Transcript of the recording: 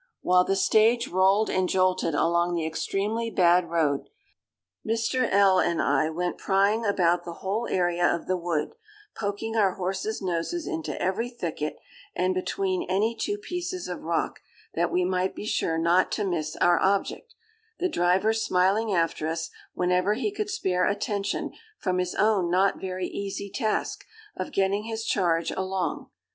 While the stage rolled and jolted along the extremely bad road, Mr. L—— and I went prying about the whole area of the wood, poking our horses' noses into every thicket, and between any two pieces of rock, that we might be sure not to miss our object; the driver smiling after us, whenever he could spare attention from his own not very easy task, of getting his charge along.